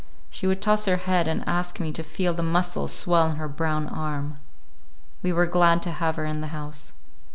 She would toss her head and ask me to feel the muscles swell in her brown arm. We were glad to have her in the house.